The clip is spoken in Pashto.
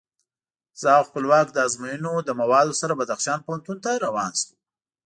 زه او خپلواک د ازموینو له موادو سره بدخشان پوهنتون ته روان شوو.